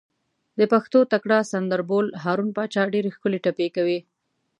د پښتو تکړه سندر بول، هارون پاچا ډېرې ښکلې ټپې کوي.